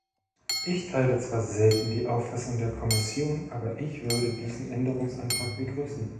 Ich teile zwar selten die Auffassung der Kommission, aber ich würde diesen Änderungsantrag begrüßen.